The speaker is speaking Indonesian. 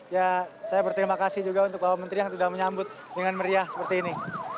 ya saya berterima kasih juga untuk bapak menteri yang sudah menyambut dengan meriah seperti ini